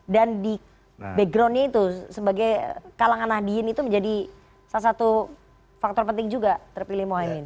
dan di backgroundnya itu sebagai kalangan ahdien itu menjadi salah satu faktor penting juga terpilih mohaimin